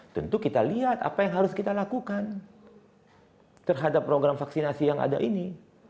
tentu kita lihat apa yang harus kita lakukan terhadap program vaksinasi yang ada ini